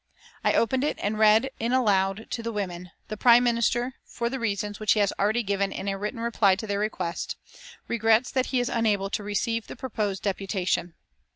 I opened it and read in aloud to the women. "The Prime Minister, for the reasons which he has already given in a written reply to their request, regrets that he is unable to receive the proposed deputation."